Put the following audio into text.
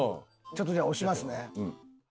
ちょっとじゃあ押しますね。